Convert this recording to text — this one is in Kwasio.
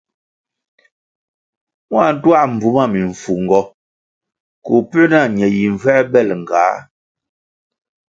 Mua ntuā mbvu ma mimfungo koh puē ñe yi mvuēbel ngah?